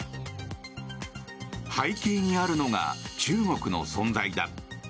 背景にあるのが中国の存在だ。